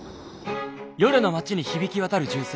「夜の街に響き渡る銃声。